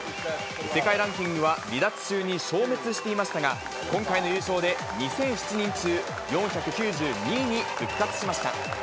世界ランキングは離脱中に消滅していましたが、今回の優勝で、２００７人中４９２位に復活しました。